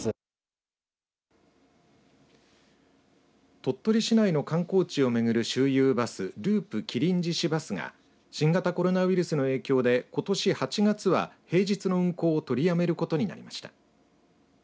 鳥取市内の観光地をめぐる周遊バスループ麒麟獅子バスが新型コロナウイルスの影響でことし８月は平日の運行を取りやめることになりました。